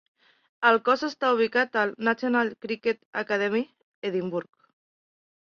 El cos està ubicat al "National Cricket Academy", Edimburg.